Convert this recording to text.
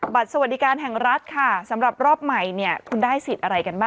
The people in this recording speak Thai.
สวัสดีการแห่งรัฐค่ะสำหรับรอบใหม่เนี่ยคุณได้สิทธิ์อะไรกันบ้าง